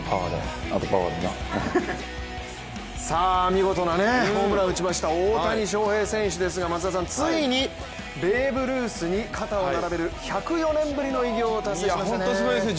見事なホームランを打ちました大谷翔平選手ですが、ついにベーブ・ルースに肩を並べる１０４年ぶりの偉業を達成しましたね。